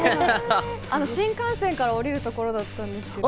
新幹線から降りるところだったんですけど。